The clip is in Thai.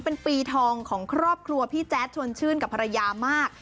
เป็นปีทองของครอบครัวพี่แจ๊ดชวนชื่นกับภรรยามาก